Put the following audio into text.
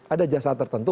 ada jasa tertentu